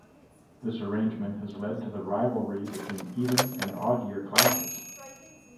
This arrangement has led to the rivalry between even and odd year classes.